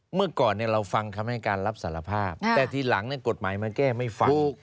เมื่อก่อนเราฟังคำให้การรับสารภาพแต่ทีหลังกฎหมายมันแก้ไม่ฟัง